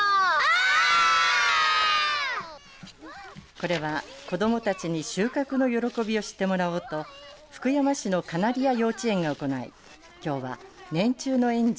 これは子どもたちに収穫の喜びを知ってもらおうと福山市のかなりや幼稚園が行いきょうは年中の園児